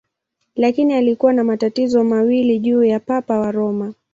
Lakini alikuwa na matatizo mawili juu ya Papa wa Roma.